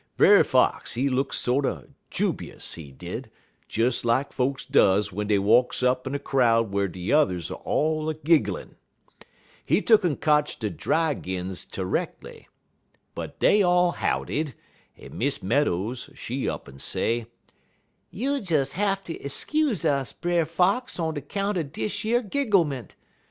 Brer Fox, he look sorter jub'ous, he did, des lak folks does w'en dey walks up in a crowd whar de yuthers all a gigglin'. He tuck'n kotch de dry grins terreckerly. But dey all howdied, en Miss Meadows, she up'n say: "'You'll des hatter skuse us, Brer Fox, on de 'count er dish yer gigglement.